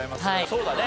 そうだね。